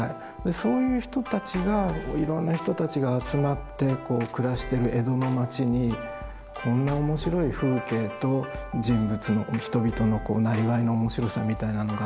そういう人たちがいろんな人たちが集まってこう暮らしてる江戸の町にこんな面白い風景と人物の人々のこうなりわいの面白さみたいなのがあるんだなって